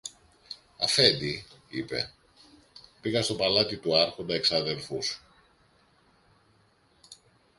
Αφέντη, είπε, πήγα στο παλάτι του Άρχοντα εξαδέλφου σου